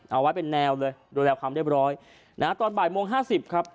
เอาไว้เป็นแนวเลยดูแลความเรียบร้อยนะฮะตอนบ่ายโมงห้าสิบครับ